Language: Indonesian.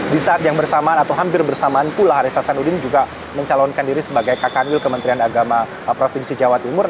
di saat yang bersamaan atau hampir bersamaan pula haris hasanuddin juga mencalonkan diri sebagai kakanwil kementerian agama provinsi jawa timur